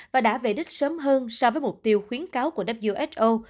và đã về đích sớm hơn so với mục tiêu khuyến cáo của who